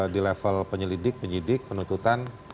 di level penyelidik penyidik penuntutan